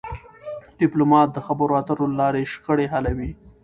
ډيپلومات د خبرو اترو له لارې شخړې حلوي..